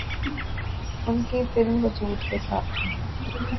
ان کی فلم ’وجود‘ کے ساتھ